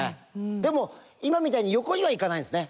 でも今みたいに横には行かないんですね。